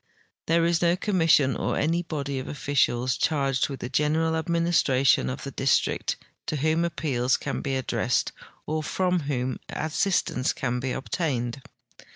There is no commission or any body of officials cliarged Avitli the general administration of the dis trict to whom api>eals can be addressed or from whom assistance can be obtained.